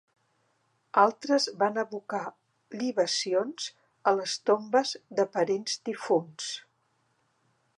Altres van abocar libacions a les tombes de parents difunts.